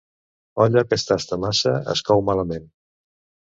Olla que es tasta massa es cou malament.